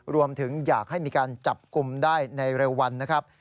รวมถึงอยากให้มีการจับกลุ่มได้ในเร็ววันนะครับ